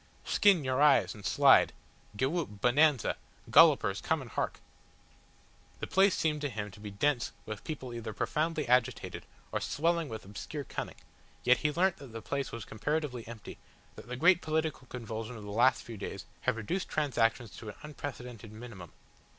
"Skin your eyes and slide," "Gewhoop, Bonanza," "Gollipers come and hark!" The place seemed to him to be dense with people either profoundly agitated or swelling with obscure cunning, yet he learnt that the place was comparatively empty, that the great political convulsion of the last few days had reduced transactions to an unprecedented minimum.